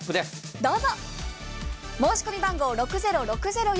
どうぞ。